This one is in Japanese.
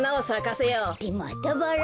ってまたバラ？